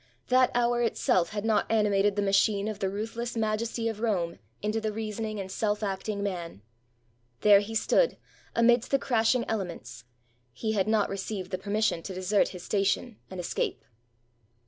That hour itself had not animated the machine of the ruthless majesty of Rome into the reasoning and self acting man. There he stood, amidst the crashing 445 ROME elements: he had not received the pennission to desert his station and escape.